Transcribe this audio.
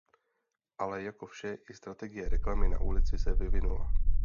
Ale jako vše i strategie reklamy na ulici se vyvinula.